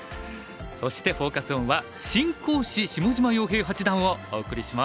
そしてフォーカス・オンは「新講師下島陽平八段」をお送りします。